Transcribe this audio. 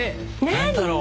何だろう？